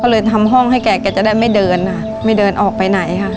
ก็เลยทำห้องให้แกจะได้ไม่เดินค่ะไม่เดินออกไปไหนค่ะ